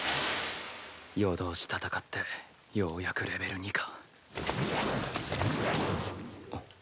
夜通し戦ってようやくレベル２か。